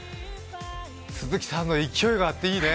鈴木さんの勢いがあっていいね。